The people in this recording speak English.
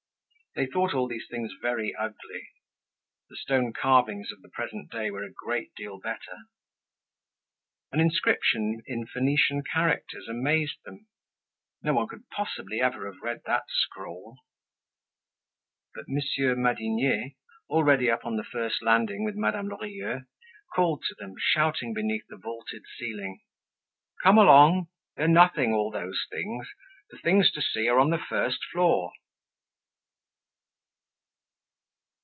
They thought all these things very ugly. The stone carvings of the present day were a great deal better. An inscription in Phoenician characters amazed them. No one could possibly have ever read that scrawl. But Monsieur Madinier, already up on the first landing with Madame Lorilleux, called to them, shouting beneath the vaulted ceiling: "Come along! They're nothing, all those things! The things to see are on the first floor!"